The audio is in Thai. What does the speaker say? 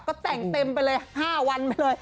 ก็แต่งเต็มไปเลย๕วันไปเลย